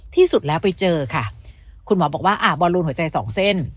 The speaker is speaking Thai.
ที่สุดแล้วไปเจอค่ะคุณหมอบอกว่าอ่าบอลลูนหัวใจสองเส้น